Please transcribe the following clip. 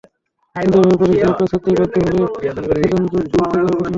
কিন্তু এভাবে পরীক্ষা পেছাতে বাধ্য হলে সেশনজট মুক্ত করা কঠিন হবে।